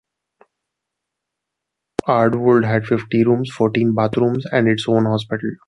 Ardwold had fifty rooms, fourteen bathrooms, and its own hospital.